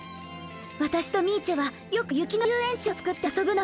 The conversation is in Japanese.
私とミーチェはよく雪の遊園地を作って遊ぶの。